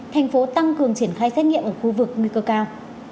thành phố tăng cường triển khai xét nghiệm ở khu vực nguy cơ cao